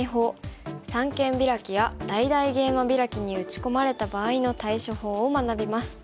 三間ビラキや大々ゲイマビラキに打ち込まれた場合の対処法を学びます。